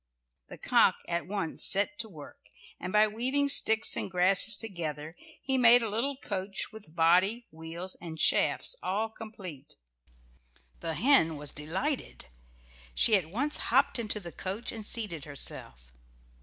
The cock at once set to work, and by weaving sticks and grasses together he made a little coach with body, wheels, and shafts all complete. The hen was delighted. She at once hopped into the coach, and seated herself.